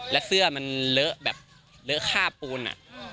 แล้วเสื้อมันเลอะแบบเลอะค่าปูนอะ